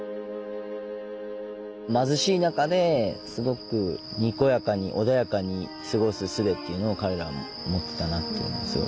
貧しい中ですごくにこやかに穏やかに過ごす術っていうのを彼らは持ってたなって思いますよ。